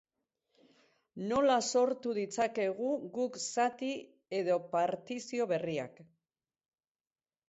Nola sortu ditzakegu guk zati edo partizio berriak?